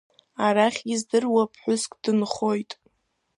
Арахь издыруа ԥҳәыск дынхоит.